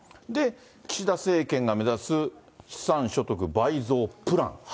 岸田政権が目指す資産所得倍増プラン。